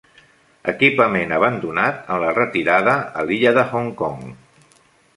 Equipament abandonat en la retirada a l'illa de Hong Kong.